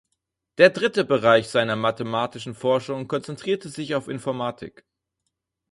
Der dritte Bereich seiner mathematischen Forschung konzentrierte sich auf Informatik.